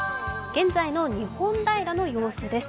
現在の日本平の様子です。